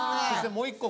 もう１個。